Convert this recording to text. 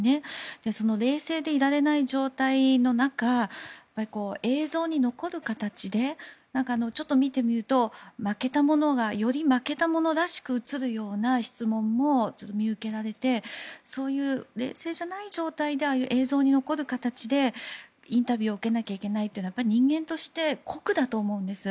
その冷静でいられない状態の中映像に残る形でちょっと見てみると負けた者がより負けた者らしく映るような質問も見受けられてそういう冷静じゃない状態で映像に残る形でインタビューを受けなきゃいけないというのはやっぱり人間として酷だと思うんです。